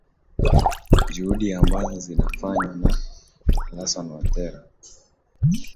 juhudi ambazo zinafanywa na alasan watera